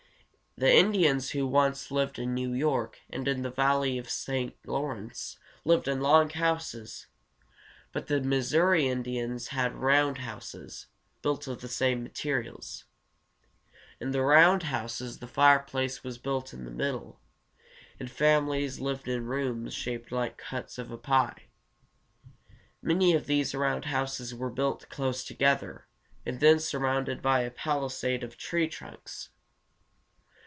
The Indians who once lived in New York and in the valley of the St. Law´rence lived in long houses, but the Mis sou´ri Indians had round houses, built of the same materials. In the round houses the fireplace was in the middle, and families lived in rooms shaped like cuts of a pie. Many of these round houses were built close together, and then surrounded by a palisade made of tree trunks.